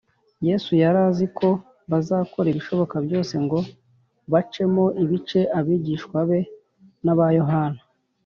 Yesu yari azi ko bazakora ibishoboka byose ngo bacemo ibice abigishwa be n’aba Yohana